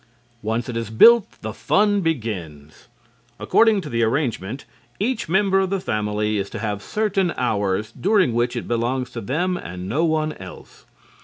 Once it is built the fun begins. According to the arrangement, each member of the family is to have certain hours during which it belongs to them and no one else.